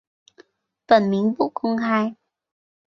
本名不公开。